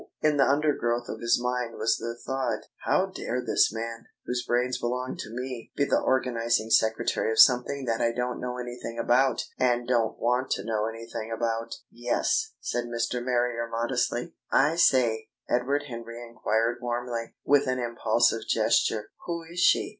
In the undergrowth of his mind was the thought: "How dare this man, whose brains belong to me, be the organising secretary of something that I don't know anything about and don't want to know anything about?" "Yes," said Mr. Marrier modestly. "I say," Edward Henry enquired warmly, with an impulsive gesture, "who is she?"